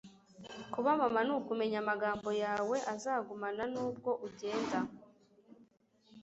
kuba mama ni ukumenya amagambo yawe azagumana, nubwo ugenda